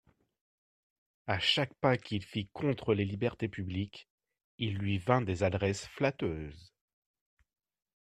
À chaque pas qu'il fit contre les libertés publiques, il lui vint des adresses flatteuses.